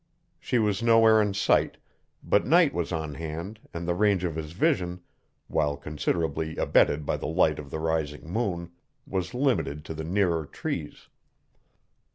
She was nowhere in sight, but night was on hand and the range of his vision, while considerably abetted by the light of the rising moon, was limited to the nearer trees.